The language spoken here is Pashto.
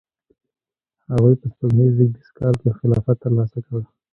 هغوی په سپوږمیز زیږدیز کال کې خلافت ترلاسه کړ.